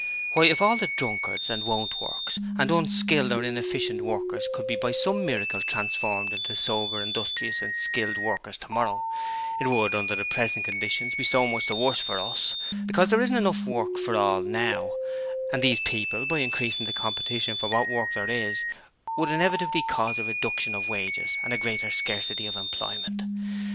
Why, if all the drunkards and won't works and unskilled or inefficient workers could be by some miracle transformed into sober, industrious and skilled workers tomorrow, it would, under the present conditions, be so much the worse for us, because there isn't enough work for all NOW and those people by increasing the competition for what work there is, would inevitably cause a reduction of wages and a greater scarcity of employment.